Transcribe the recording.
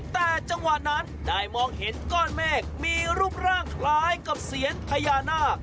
แต่จังหวะนั้นได้มองเห็นก้อนเมฆมีรูปร่างคล้ายกับเซียนพญานาค